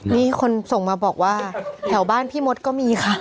มีคนส่งมาบอกว่าแถวบ้านพี่มดก็มีค่ะ